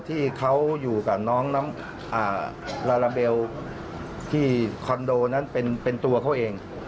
ที่เขาอยู่กับน้องลาลาเบลที่คอนโดนั้นเป็นตัวเขาเอง